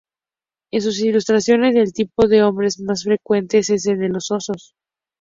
En sus ilustraciones el tipo de hombres más frecuente es el de los osos.